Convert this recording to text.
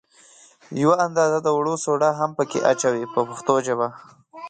یوه اندازه د اوړو سوډا هم په کې اچوي په پښتو ژبه.